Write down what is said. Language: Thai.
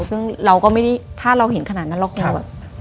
ซึ่งเราก็ไม่ได้ถ้าเราเห็นขนาดนั้นเราคงแบบ